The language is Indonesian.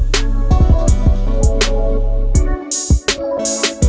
kau bakal jawab